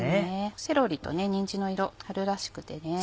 セロリとにんじんの色春らしくてね。